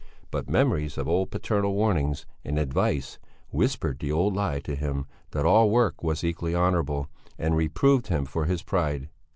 But memories of old paternal warnings and advice whispered the old lie to him that all work was equally honourable, and reproved him for his pride.